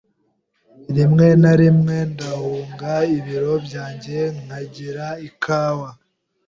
Rimwe na rimwe ndahunga ibiro byanjye nkagira ikawa.